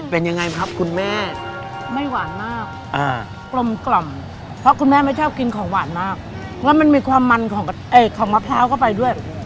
บางไซด์ตลาดไซด์ล่านไซด์ที่ว่าเด็ด